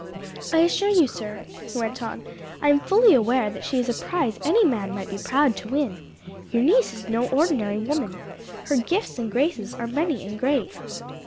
"I assure you, sir," he went on, "I am fully aware that she is a prize any man might be proud to win. Your niece is no ordinary woman: her gifts and graces are many and great."